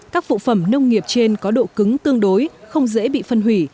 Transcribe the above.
các phụ phẩm nông nghiệp trên có độ cứng tương đối không dễ bị phân hủy